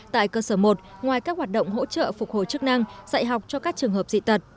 tại cơ sở một ngoài các hoạt động hỗ trợ phục hồi chức năng dạy học cho các trường hợp dị tật